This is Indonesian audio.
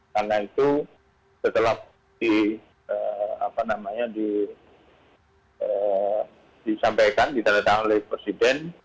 karena itu setelah disampaikan ditanahkan oleh presiden